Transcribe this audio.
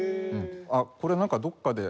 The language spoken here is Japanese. あっこれなんかどこかで。